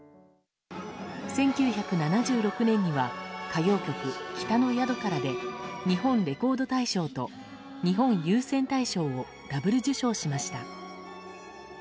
１９７６年には歌謡曲「北の宿から」で日本レコード大賞と日本有線大賞をダブル受賞しました。